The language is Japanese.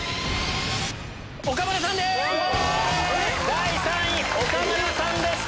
第３位岡村さんでした！